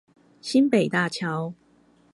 新北大橋